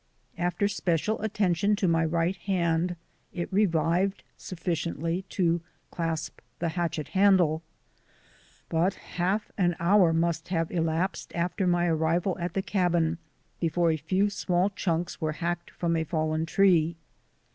After special attention to my right hand it re vived sufficiently to clasp the hatchet handle, but half an hour must have elapsed after my arrival at the cabin before a few small chunks were hacked from a fallen tree.